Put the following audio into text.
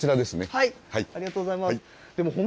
ありがとうございます。